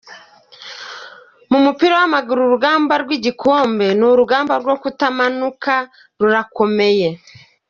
Mu mupira w’amaguru, urugamba rw’igikombe n’urugamba rwo kutamanuka rurakomeye.